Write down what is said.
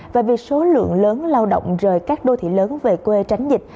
và vì số lượng lớn lao động rời các đô thị lớn về quê tránh dịch